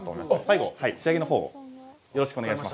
最後、仕上げのほうをよろしくお願いします。